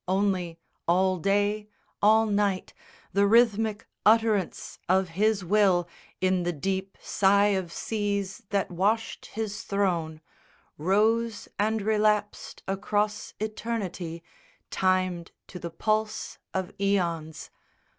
Only, all day, All night, the rhythmic utterance of His will In the deep sigh of seas that washed His throne, Rose and relapsed across Eternity, Timed to the pulse of æons.